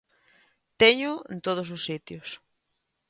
Téñoo en todos os sitios.